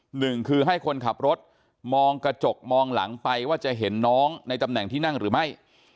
หนึ่งคือให้คนขับรถมองกระจกมองหลังไปว่าจะเห็นน้องในตำแหน่งที่นั่งหรือไม่